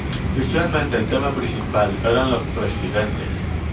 Usualmente el tema principal eran los presidentes.